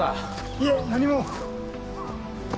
いえ何も。